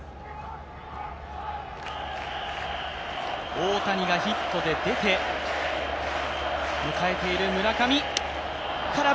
大谷がヒットで出て、迎えている村上。